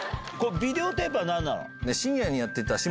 ビデオテープは何なの？